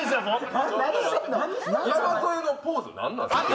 山添のポーズなんなん？